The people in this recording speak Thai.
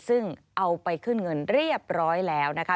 ซึ่งเอาไปขึ้นเงินเรียบร้อยแล้วนะคะ